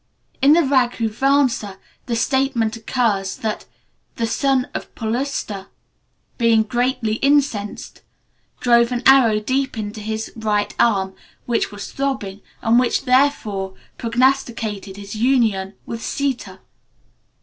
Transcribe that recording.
In the Raghuvamsa, the statement occurs that "the son of Paulastya, being greatly incensed, drove an arrow deep into his right arm, which was throbbing, and which, therefore, prognosticated his union with Sita."